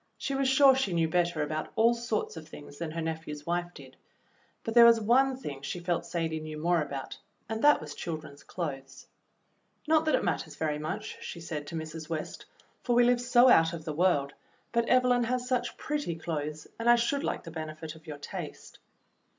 She was sure she knew better about all sorts of things than her nephew's wife did, but there was one thing she felt Sadie knew more about and that was children's clothes. "Not that it matters very much," she said to Mrs. West, "for we live so out of the world, but Evelyn has such pretty clothes, and I should like the benefit of your taste."